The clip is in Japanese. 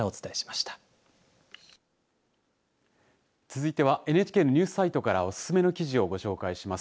続いてはＮＨＫのニュースサイトからおすすめの記事をご紹介します。